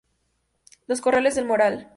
Los corrales del Moral.